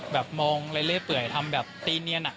แบบมองเรื่อยทำแบบตีเนียน